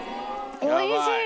おいしい！